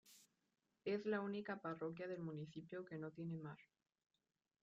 Es la única parroquia del municipio que no tiene mar.